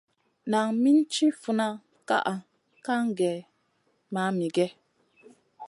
Nan min tiʼi funna kaʼa kaŋ gèh mamigèh?